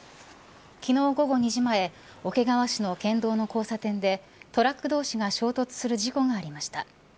昨日午後２時前桶川市の県道の交差点でトラック同士が衝突する事故がありました。